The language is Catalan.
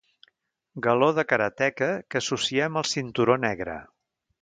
Galó de karateka que associem al cinturó negre.